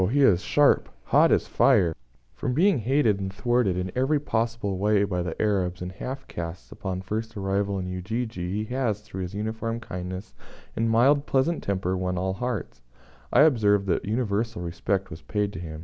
he is sharp hot as fire" "mkali sana, kana moto." From being hated and thwarted in every possible way by the Arabs and half castes upon first arrival in Ujiji, he has, through his uniform kindness and mild, pleasant temper, won all hearts. I observed that universal respect was paid to him.